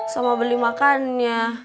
sama beli makannya